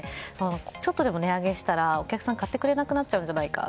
ちょっとでも値上げしたらお客さんが買ってくれなくなっちゃうんじゃないかと。